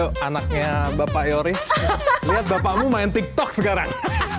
ayo anaknya bapak yori bapakmu main tiktok sekarang